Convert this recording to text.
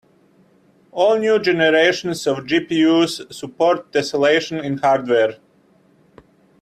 All new generations of GPUs support tesselation in hardware.